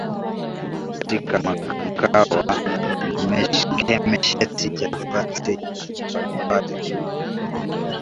mwa Georgia katika mkoa wa Meskhet Javakheti walipata